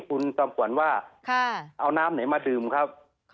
คุณจอมขวัญว่าเอาน้ำไหนมาดื่มครับ